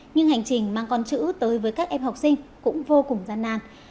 nhưng hành trình mang con chữ tới với các em học sinh cũng vô cùng gian nan